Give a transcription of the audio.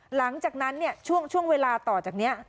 หลังจากนั้นช่วงเวลาต่อจากนี้